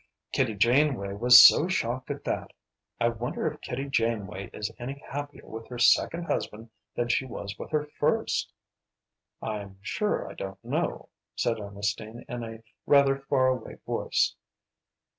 Kitty Janeway was so shocked at that. I wonder if Kitty Janeway is any happier with her second husband than she was with her first?" "I'm sure I don't know," said Ernestine in a rather far away voice.